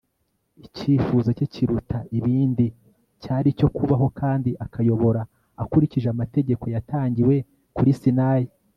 icyifuzo cye kiruta ibindi cyari icyo kubaho kandi akayobora akurikije amategeko yatangiwe kuri sinayi